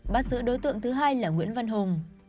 bắt giữ đối tượng thứ hai là nguyễn văn hùng